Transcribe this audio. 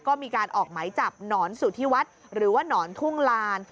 ก็มีการออกไหมจับหนอนสุธิวัฒน์หรือว่าหนอนทุ่งลาน